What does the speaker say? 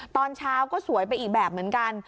ตอนเช้าก็สวยไปอีกแบบเหมือนกัน